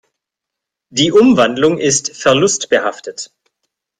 Die Umwandlung ist verlustbehaftet.